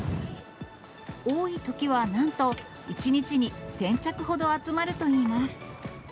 多いときはなんと、１日に１０００着ほど集まるといいます。